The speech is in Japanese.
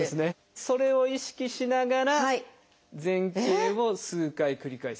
それを意識しながら前傾を数回繰り返すと。